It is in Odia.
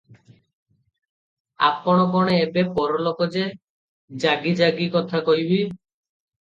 ଆପଣ କଣ ଏବେ ପରଲୋକ ଯେ ଜଗିଜାଗି କଥା କହିବି?